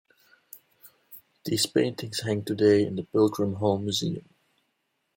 These paintings hang today in the Pilgrim Hall Museum.